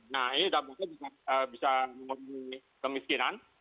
nah ini dapatnya bisa memudih kemiskinan